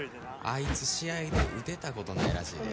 あいつ試合で打てたことないらしいで